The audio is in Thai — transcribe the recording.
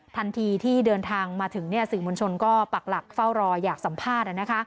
ทันทีที่เดินทางมาถึงสื่อมวลชนก็ปักหลักเฝ้ารออยากสัมภาษณ์